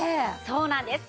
そうなんです。